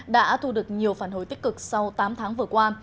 đã thu được nhiều phản hồi tích cực sau tám tháng vừa qua